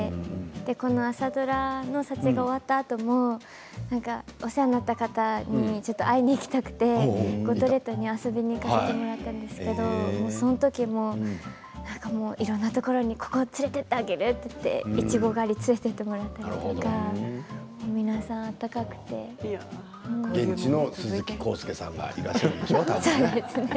この朝ドラの撮影が終わったあともお世話になった方に会いに行きたくて五島列島に遊びに行かせていただいたんですけれどもその時も、いろいろなところにここに連れて行ってあげるって言っていちご狩りに連れてってもらったりとか現地の鈴木浩介さんがいらっしゃるんですね。